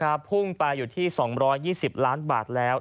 พุ่งไปอยู่ที่๒๒๐ล้านบาทแล้ว